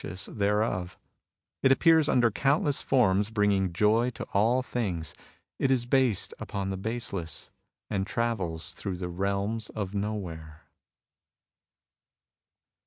96 MUSINGS OP A CHINESE MYSTIC thereof. It appears under countless forms, bring ing joy to cdl things. It is based upon the baseless, and travels through the realms of Nowhere.